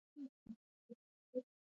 افغانستان له زغال ډک دی.